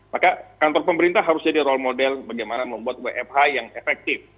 maka kantor pemerintah harus jadi role model bagaimana membuat wfh yang efektif